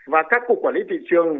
và các cục quản lý thị trường